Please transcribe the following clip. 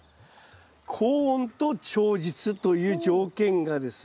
高温と長日という条件がですね